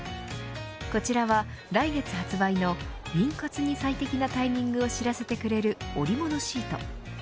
こちらは来月発売の妊活に最適なタイミングを知らせてくれるおりものシート。